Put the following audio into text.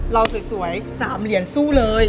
เราสวย๓เหรียญสู้เลย